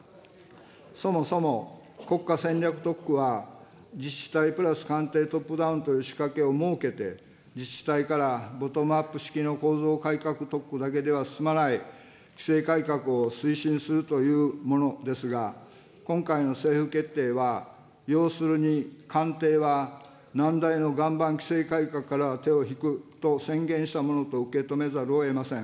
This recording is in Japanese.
そもそも国家戦略特区は、自治体＋官邸トップダウンという仕掛けを設けて、自治体からボトムアップ式の構造改革特区だけでは進まない規制改革を推進するというものですが、今回の政府決定は、要するに官邸は、難題の岩盤規制改革から手を引くと宣言したものと受け止めざるをえません。